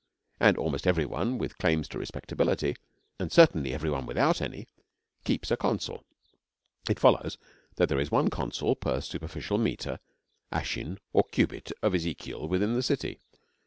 As almost every one with claims to respectability, and certainly every one without any, keeps a consul, it follows that there is one consul per superficial meter, arshin, or cubit of Ezekiel within the city.